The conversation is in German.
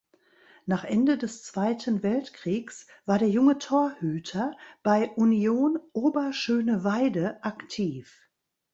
Nach Ende des Zweiten Weltkriegs war der junge Torhüter bei Union Oberschöneweide aktiv.